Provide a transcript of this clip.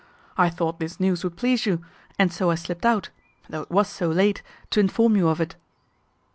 I thought this news would please you, and so I slipped out, though it was so late, to inform you of it."